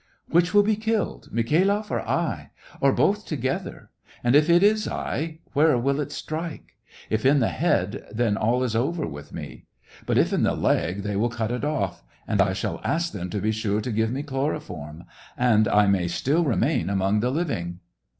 ''Which will be killed, Mikhai loff or I.? Or both together .'* And if it is I, where will it strike } If in the head, then all is over with me ; but if in the leg, they will cut it off, and I shall ask them to be sure to give me chloroform, — and I may still remain among the living.